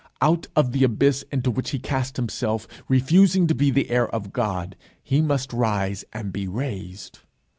Out of the abyss into which he cast himself, refusing to be the heir of God, he must rise and be raised.